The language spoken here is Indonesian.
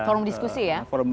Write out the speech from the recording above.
forum diskusi ya